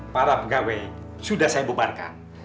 para pegawai sudah saya bubarkan